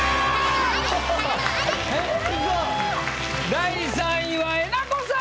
第３位はえなこさん。